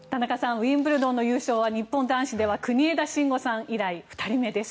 ウィンブルドンの優勝は日本男子では国枝慎吾さん以来２人目です。